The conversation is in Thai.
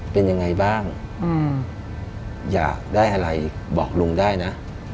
เป็นยังไงบ้างอยากได้อะไรบอกลุงได้นะ